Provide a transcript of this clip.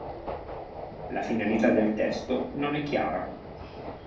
La finalità del testo non è chiara.